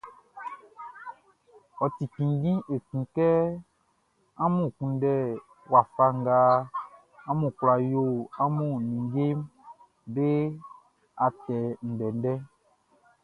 Ɔ ti cinnjin ekun kɛ amun kunndɛ wafa nga amun kwla yo amun ninngeʼm be atɛ ndɛndɛʼn.